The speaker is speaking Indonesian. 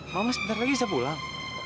mama sebentar lagi saya pulang